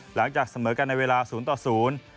หลังจากเสมอกันในเวลาศูนย์ต่อศูนย์